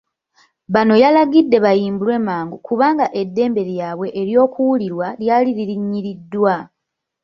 Bano yalagidde bayimbulwe mangu kubanga eddembe lyabwe ery'okuwulirwa lyali lirinyiriddwa.